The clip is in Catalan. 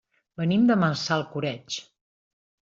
Venim de Massalcoreig.